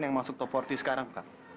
dia mau masuk top empat puluh sekarang kak